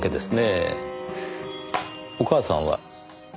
お母さんは？